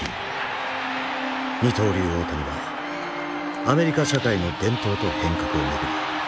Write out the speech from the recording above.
二刀流大谷はアメリカ社会の伝統と変革を巡り